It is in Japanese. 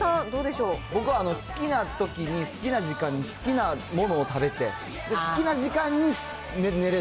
僕、好きなときに、好きな時間に、好きなものを食べて、好きな時間に寝る。